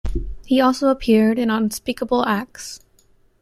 He also appeared in "Unspeakable Acts".